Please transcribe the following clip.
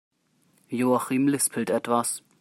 Joachim lispelt etwas.